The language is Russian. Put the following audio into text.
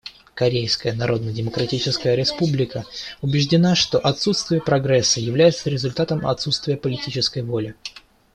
Корейская Народно-Демократическая Республика убеждена, что отсутствие прогресса является результатом отсутствия политической воли.